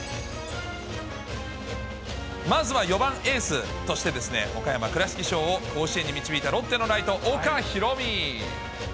まずは４番エースとして、岡山・倉敷商を甲子園に導いた、ロッテのライト、岡大海。